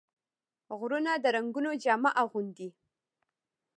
غرونه د رنګونو جامه اغوندي